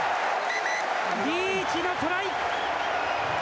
リーチがトライ。